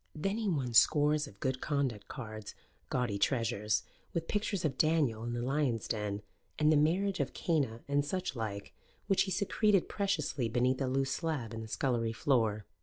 Then he won scores of good conduct cards, gaudy treasures, with pictures of Daniel in the Lions' Den and the Marriage of Cana and such like, which he secreted preciously beneath a loose slab in the scullery floor.